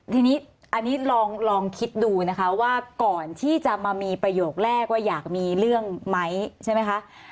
ทีนี้อันนี้ลองคิดดูนะคะว่าก่อนที่จะมามีประโยคแรกว่าอยากมีเรื่องไหมใช่ไหมคะ